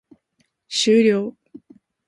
終了